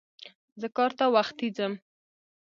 زه کار ته وختي ځم.